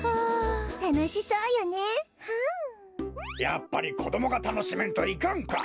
やっぱりこどもがたのしめんといかんか。